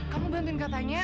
kamu bantuin katanya